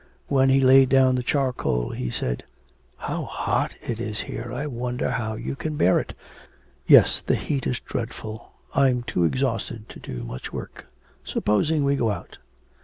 When he laid down the charcoal, he said: 'How hot it is here! I wonder how you can bear it.' 'Yes, the heat is dreadful. I'm too exhausted to do much work. Supposing we go out.'